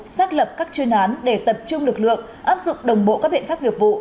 xác lập các chuyên án để tập trung lực lượng áp dụng đồng bộ các biện pháp nghiệp vụ